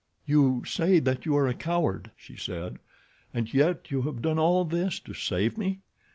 "You say that you are a coward," she said, "and yet you have done all this to save me?